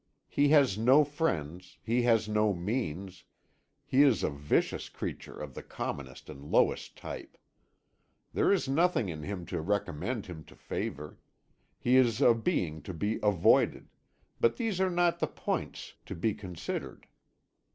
He has no friends, he has no means, he is a vicious creature of the commonest and lowest type. There is nothing in him to recommend him to favour; he is a being to be avoided but these are not the points to be considered.